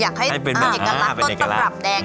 อยากให้เป็นเอกลักษณ์ต้นตระปรับแดง